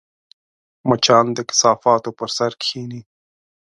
مچان د کثافاتو پر سر کښېني